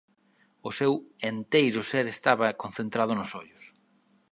O seu enteiro ser estaba concentrado nos ollos.